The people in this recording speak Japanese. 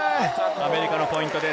アメリカのポイントです。